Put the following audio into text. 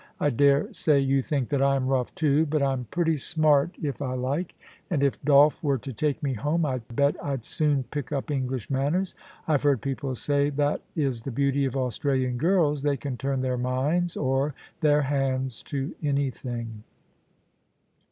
I dare say you think that I am rough too, but I'm pretty smart if ANGELA. Ill I like ; and if Dolph were to take me home I bet I'd soon pick up English manners. I've heard people say that is the beauty of Australian girls, they can turn their minds or their hands to anything.'